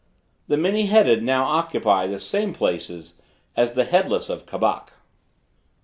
The many headed now occupy the same places as the headless of Cabac.